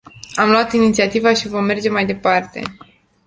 Am luat inițiativa și vom merge mai departe.